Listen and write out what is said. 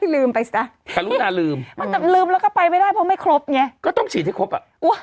ลืมไปสิกรุณาลืมแล้วก็ไปไม่ได้เพราะไม่ครบไงก็ต้องฉีดให้ครบอ่ะ